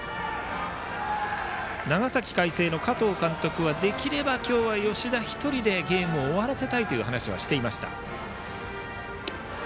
長崎・海星の加藤監督はできれば今日は吉田１人でゲームを終わらせたいという話をしていました。